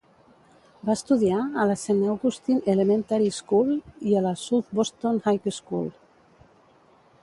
Va estudiar a la Saint Augustine Elementary School i a la South Boston High School.